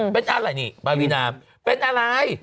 เป็นอะไรนี่บาวีนาเป็นอะไร